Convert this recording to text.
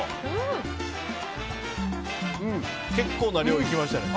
結構な量いきましたね。